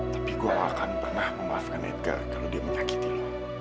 tapi gue akan pernah memaafkan netka kalau dia menyakiti lo